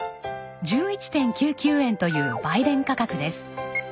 １１．９９円という売電価格です。